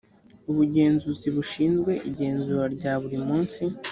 ubugenzuzi bushinzwe igenzura rya buri munsi